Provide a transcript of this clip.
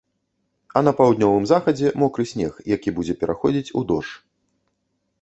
А на паўднёвым захадзе мокры снег, які будзе пераходзіць у дождж.